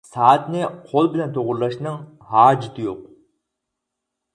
سائەتنى قول بىلەن توغرىلاشنىڭ ھاجىتى يوق.